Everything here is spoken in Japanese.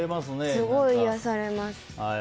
すごい癒やされます。